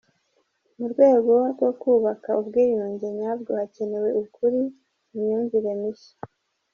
Mu rwego rwo kubaka ubwiyunge nyabyo, hakenewe ukuri, imyumvire mishya.